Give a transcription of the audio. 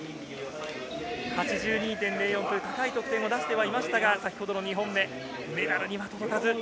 ８２．０４という高い得点を出してはいましたが、先ほどの２本目、メダルには届かず。